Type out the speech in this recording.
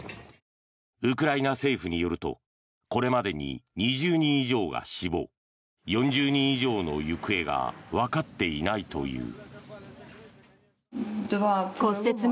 ウクライナ政府によるとこれまでに２０人以上が死亡４０人以上の行方がわかっていないという。